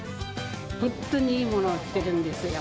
本当にいいものを売ってるんですよ。